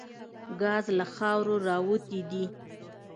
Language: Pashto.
ګاز له خاورو راوتي دي.